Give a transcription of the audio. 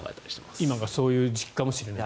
今がそういう時期かもしれないと。